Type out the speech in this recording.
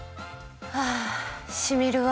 あしみるわ。